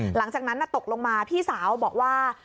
หลังจากนั้นตกลงมาพี่สาวบอกว่า